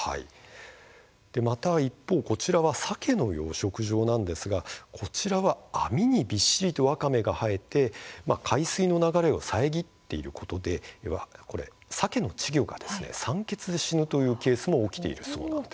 また、こちらはさけの養殖場なんですがこちらも網にびっしりとわかめが生えて海水の流れが遮られてさけの稚魚が酸欠で死ぬケースも起きているといいます。